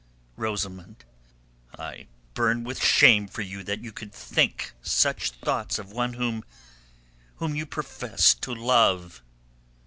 Rosamund! I burn with shame for you that you can think such thoughts of one whom... whom you professed to love."